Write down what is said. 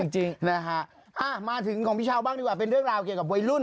จริงนะฮะมาถึงของพี่เช้าบ้างดีกว่าเป็นเรื่องราวเกี่ยวกับวัยรุ่น